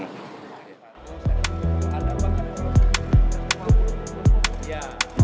sekarang ini sudah berapa jutaan